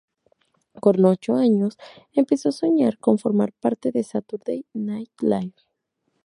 Con ocho años empezó a soñar con formar parte de "Saturday Night Live".